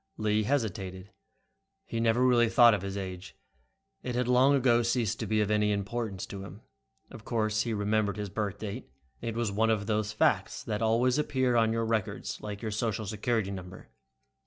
Lee hesitated. He never really thought of his age. It had long ago ceased to be of any importance to him. Of course he remembered his birth date. It was one of those facts that always appears on your records, like your social security number.